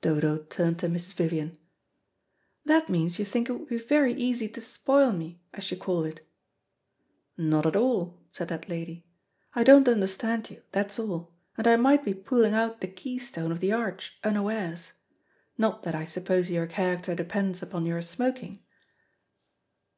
Dodo turned to Mrs. Vivian. "That means you think it would be very easy to spoil me, as you call it." "Not at all," said that lady. "I don't understand you, that's all, and I might be pulling out the key stone of the arch unawares. Not that I suppose your character depends upon your smoking."